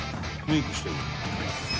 「メイクしてるの？」